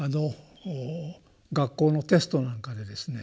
学校のテストなんかでですね